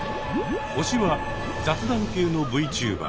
推しは雑談系のＶチューバー。